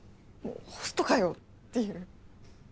ホストかよっていう。